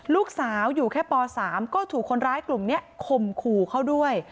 ลูกสาวอยู่แค่ป๓ก็ถูกคนร้ายกลุ่มนี้ข่มขู่เขาด้วย